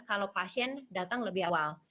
kalau pasien datang lebih awal